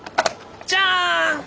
じゃん！